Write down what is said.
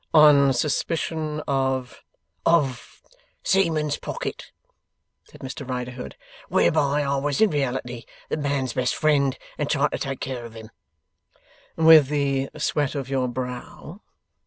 'On suspicion of ' 'Of seaman's pocket,' said Mr Riderhood. 'Whereby I was in reality the man's best friend, and tried to take care of him.' 'With the sweat of your brow?